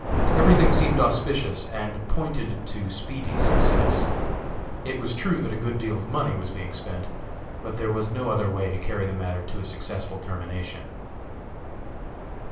Everything seemed auspicious, and pointed to speedy success. It was true that a good deal of money was being spent, but there was no other way to carry the matter to a successful termination.